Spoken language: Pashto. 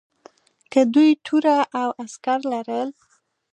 که دوی توره او عسکر لرل.